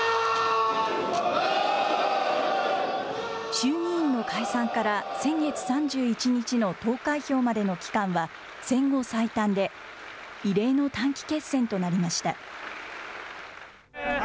衆議院の解散から先月３１日の投開票までの期間は戦後最短で、異例の短期決戦となりました。